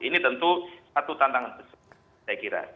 ini tentu satu tantangan besar saya kira